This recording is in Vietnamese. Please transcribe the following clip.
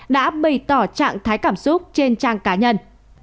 đã bày tỏ trạng thái cảm xúc trên trang cá nhân